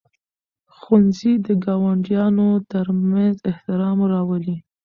ښوونځي د ګاونډیانو ترمنځ احترام راولي.